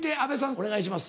お願いします。